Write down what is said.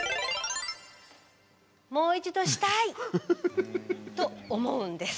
「もう一度したい！」と思うんです。